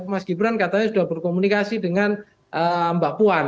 mas gibran katanya sudah berkomunikasi dengan mbak puan